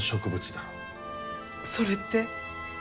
それって。